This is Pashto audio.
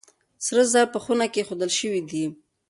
سره زر په خونه کې ايښودل شوي دي.